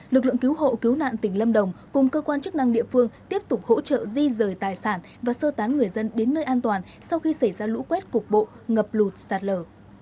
lực lượng cứu hộ cứu nạn tỉnh lâm đồng cùng cơ quan chức năng địa phương tiếp tục hỗ trợ di rời tài sản và sơ tán người dân đến nơi an toàn sau khi xảy ra lũ quét cục bộ ngập lụt sạt lở